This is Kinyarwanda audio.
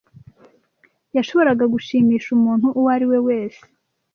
yashoboraga gushimisha umuntu uwo ari we wese